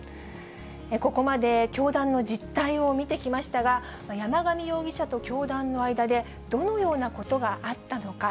ここまで教団の実態を見てきましたが、山上容疑者と教団の間で、どのようなことがあったのか。